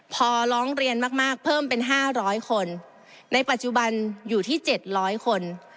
พอร้องเรียนมากเพิ่มเป็น๕๐๐คนในปัจจุบันอยู่ที่๗๐๐คน